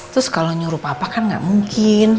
terus kalau nyuruh papa kan gak mungkin